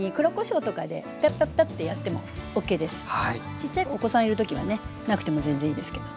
ちっちゃいお子さんいる時はねなくても全然いいですけど。